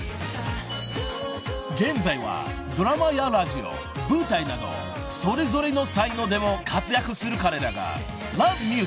［現在はドラマやラジオ舞台などそれぞれの才能でも活躍する彼らが］